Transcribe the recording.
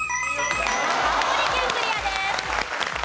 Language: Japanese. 青森県クリアです。